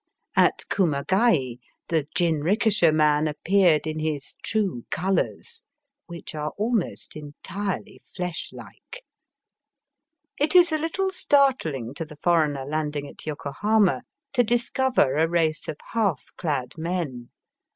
At Kumagai the jinrikisha man appeared in his true colours, which are almost entirely fleshlike. It is a Uttle startling to the foreigner landing at Yokohama to discover a race of half clad men.